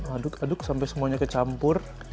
aduk aduk sampai semuanya kecampur